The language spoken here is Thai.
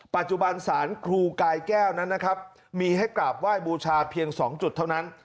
ปัจจุบันศาลครูกายแก้วนั้นนะครับมีให้กราบไหว้บูชาเพียง๒จุดเท่านั้น